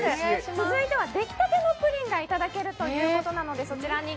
続いては出来たてのプリンがいただけるということです。